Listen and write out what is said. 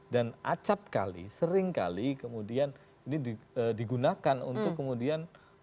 dan acap kali sering kali kemudian ini digunakan untuk kemudian